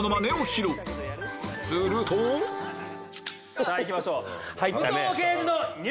さぁいきましょう！